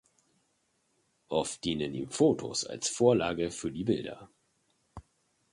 Oft dienen ihm Fotos als Vorlage für die Bilder.